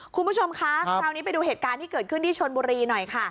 คุณผู้ชมคะคราวนี้ไปดูเหตุการณ์ที่เกิดขึ้นที่ชนบุรีหน่อยค่ะ